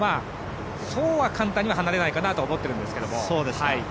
そうは簡単には離れないかなと思っているんですけど。